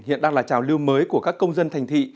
hiện đang là trào lưu mới của các công dân thành thị